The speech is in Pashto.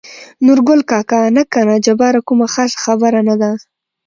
نورګل کاکا: نه کنه جباره کومه خاصه خبره نه ده.